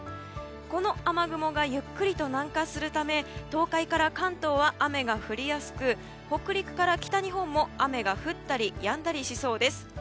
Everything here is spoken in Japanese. この雨雲がゆっくりと南下するため東海から関東は雨が降りやすく北陸から北日本も雨が降ったりやんだりしそうです。